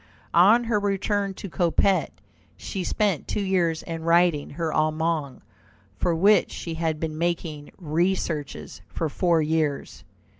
On her return to Coppet, she spent two years in writing her Allemagne, for which she had been making researches for four years.